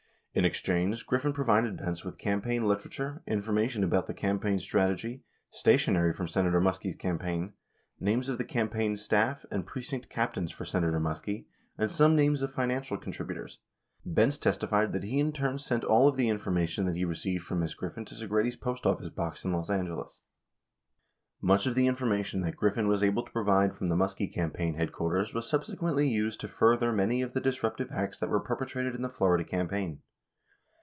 In exchange, Griffin provided Benz with campaign literature, information about the campaign strategy, stationery from Senator Muskie's campaign, names of the campaign staff and precinct captains for Senator Muskie, and some names of financial contributors. Benz testified that he in turn sent all of the in formation that he received from Ms. Griffin to Segretti 's post office box in Los Angeles. Much of the information that Griffin was able to provide from the Muskie campaign headquarters was subsequently used to further many of the disruptive acts that were perpetrated in the Florida campaign.